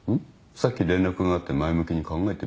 さっき連絡があって前向きに考えてみたいって。